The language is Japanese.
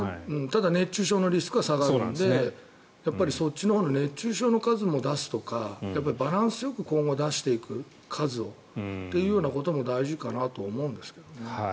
ただ熱中症のリスクは下がるのでそっちのほうの熱中症の数も出すとかバランスよく今後出していく数を、ということも大事かなと思うんですけどね。